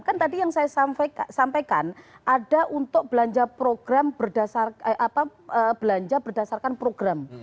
kan tadi yang saya sampaikan ada untuk belanja program belanja berdasarkan program